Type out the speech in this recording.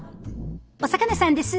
お魚さんです。